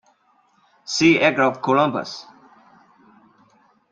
See Egg of Columbus.